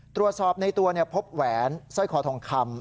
ตรวจสอบในตัวพบแหวนสร้อยคอทองคำ